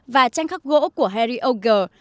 và tranh khắc gỗ của harry ogre